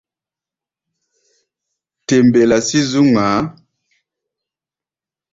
Te mbelá sí zú ŋmaa.